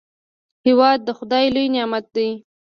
هېواد د خداي لوی نعمت دی.